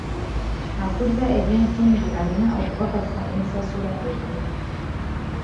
Akulira ebyensimbi alina okukakasa ensasula eyo.